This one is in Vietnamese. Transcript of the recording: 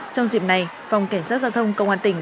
trong dịp này phòng cảnh sát giao thông công an tỉnh